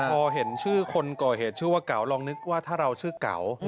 พอเห็นชื่อคนก่อเหตุชื่อว่าเก๋าลองนึกว่าถ้าเราชื่อเก่า